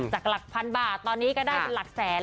หลักพันบาทตอนนี้ก็ได้เป็นหลักแสน